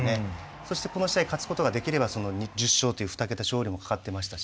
そしてこの試合勝つことができれば１０勝という２桁勝利もかかってましたし